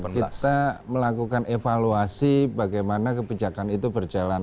kita melakukan evaluasi bagaimana kebijakan itu berjalan